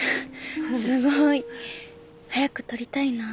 すごい。早くとりたいな。